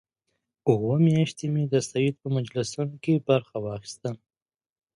اووه میاشتې مې د سید په مجلسونو کې برخه واخیسته.